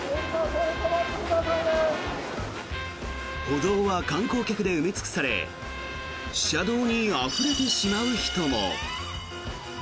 歩道は観光客で埋め尽くされ車道にあふれてしまう人も。